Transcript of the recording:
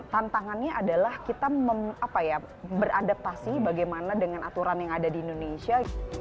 tantangannya adalah kita beradaptasi bagaimana dengan aturan yang ada di indonesia